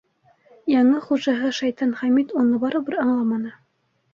Яңы хужаһы, Шайтан Хәмит, уны барыбер аңламаны.